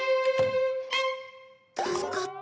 助かった。